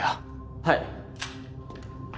はい。